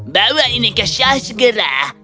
bawa ini ke shah segera